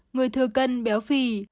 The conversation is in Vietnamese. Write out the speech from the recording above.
người thừa cân béo phì